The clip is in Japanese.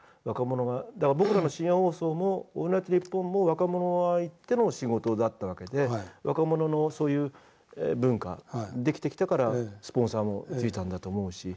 だから僕らの深夜放送も「オールナイトニッポン」も若者がいての仕事だったわけで若者のそういう文化出来てきたからスポンサーもついたんだと思うし。